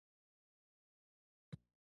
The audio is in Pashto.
د مايعاتو د شاربلو ماشين يې چالان پرېښود.